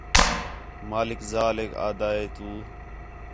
مالک ذالیک آہدا ہے تُو